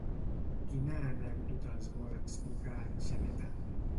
Quina anècdota els vol explicar en Xaneta?